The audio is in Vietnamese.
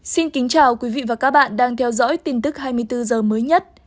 xin kính chào quý vị và các bạn đang theo dõi tin tức hai mươi bốn h mới nhất